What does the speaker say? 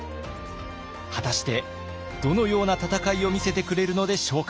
果たしてどのような戦いを見せてくれるのでしょうか？